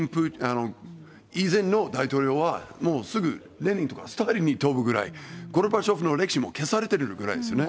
以前の大統領はもうすぐ、レーニンとかスターリンに飛ぶぐらい、ゴルバチョフの歴史も消されてるぐらいですよね。